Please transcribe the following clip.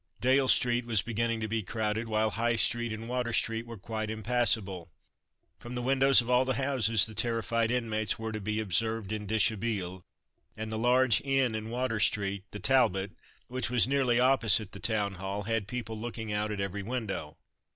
Dale street was beginning to be crowded while High street and Water street were quite impassable. From the windows of all the houses the terrified inmates were to be observed en dishabille, and the large inn in Water street, the Talbot, which was nearly opposite the Town Hall, had people looking out at every window.